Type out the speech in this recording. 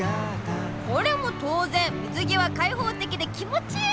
これも当然水着はかいほうてきで気持ちいい！